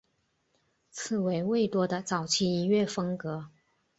此为魏多的早期音乐风格。